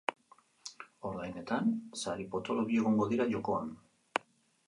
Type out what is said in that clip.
Ordainetan, sari potolo bi egongo dira jokoan.